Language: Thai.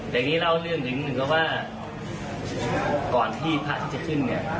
เพลงนี้เล่าเรื่องหนึ่งถึงว่าว่าก่อนที่พระจะขึ้นเนี่ย